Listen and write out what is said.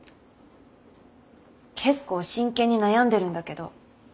結構真剣に悩んでるんだけど。